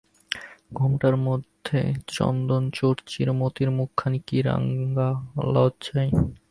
ঘোমটার মধ্যে চন্দনচর্চিত মতির মুখখানি কী রাঙা লজ্জায়!